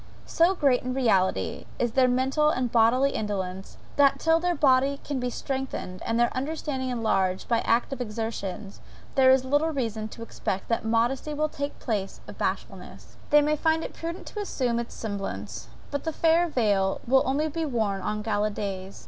So great, in reality, is their mental and bodily indolence, that till their body be strengthened and their understanding enlarged by active exertions, there is little reason to expect that modesty will take place of bashfulness. They may find it prudent to assume its semblance; but the fair veil will only be worn on gala days.